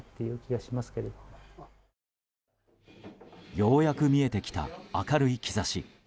ようやく見えてきた明るい兆し。